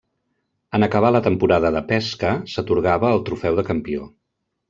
En acabar la temporada de pesca, s'atorgava el trofeu de campió.